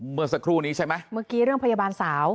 เมื่อสักครู่นี้ใช่ไหมเมื่อกี้เรื่องพยาบาลสาว